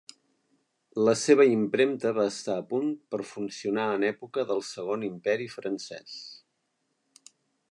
La seva impremta va estar a punt per funcionar en època del Segon Imperi Francès.